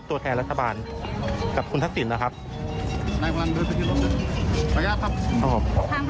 ตัวแทนรัฐบาลกับคุณทักษิณนะครับ